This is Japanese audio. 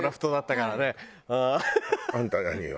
あんた何よ？